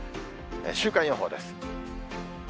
週間予報です。